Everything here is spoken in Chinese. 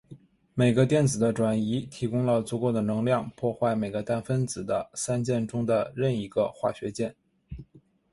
每个电子的转移提供了足够的能量破坏每个氮分子的三键中的任一个化学键。